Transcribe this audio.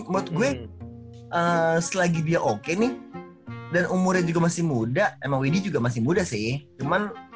buat gue selagi dia oke nih dan umurnya juga masih muda emang widhi juga masih muda sih cuman